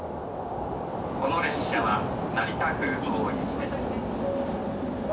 この列車は成田空港行きです。